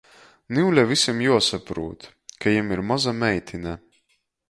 Niule vysim juosaprūt, ka jim ir moza meitine!